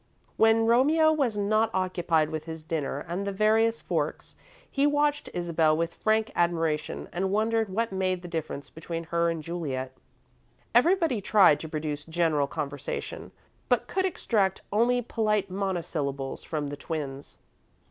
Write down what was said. When Romeo was not occupied with his dinner and the various forks, he watched Isabel with frank admiration, and wondered what made the difference between her and Juliet. Everybody tried to produce general conversation, but could extract only polite monosyllables from the twins.